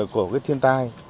của thiên tai